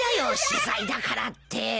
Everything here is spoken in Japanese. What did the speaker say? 取材だからって。